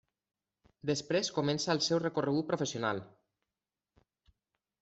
Després comença el seu recorregut professional.